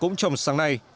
cũng trong sáng nay